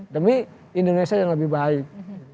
demi indonesia yang lebih baik